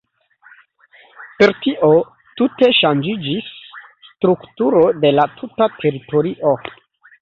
Per tio tute ŝanĝiĝis strukturo de la tuta teritorio.